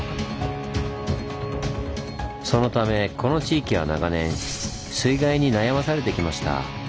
そのためこの地域は長年水害に悩まされてきました。